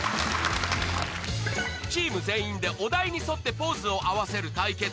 チーム全員でお題に沿ってポーズを合わせる対決